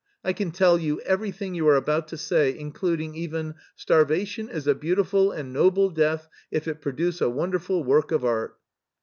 I can tell you everything you are about to say, including even * starvation is a beautiful and noble death if it produce a wonderful work of art.